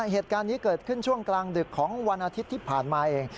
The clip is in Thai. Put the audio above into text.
เหตุการณ์นี้เกิดขึ้นช่วงกลางดึกของวันอาทิตย์ที่ผ่านมาเอง